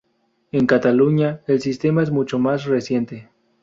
En Cataluña el sistema es mucho más reciente.